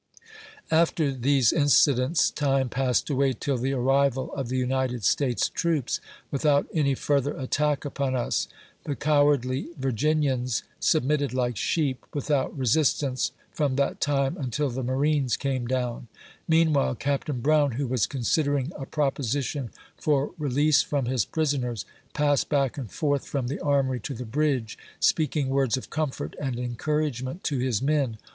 After these incidents, time passed away till the arrival of the United States troops, without any further attack upon us. The cowardly Virginians submitted like sheep, without re sistance, from that time until the marines came down. Mean while, Capt. Brown, who was considering a proposition for release from his prisoners, passed back and forth from the Armory to the bridge, speaking words of comfort and encour agement to his men.